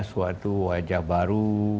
suatu wajah baru